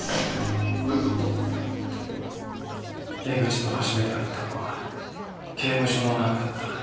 江口と初めて会ったのは刑務所の中だった。